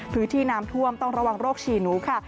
พื้นที่น้ำท่วมต้องระวังโรคฉี่หนูค่ะ